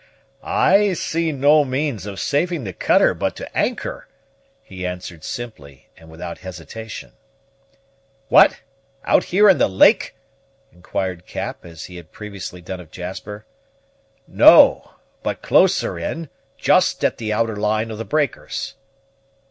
"I see no means of saving the cutter but to anchor," he answered simply, and without hesitation. "What! out here in the lake?" inquired Cap, as he had previously done of Jasper. "No: but closer in; just at the outer line of the breakers."